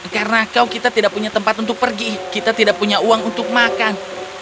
karena kau kita tidak punya tempat untuk pergi kita tidak punya uang untuk makan